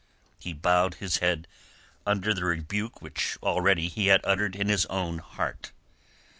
He bowed his head under the rebuke which already he had uttered in his own heart.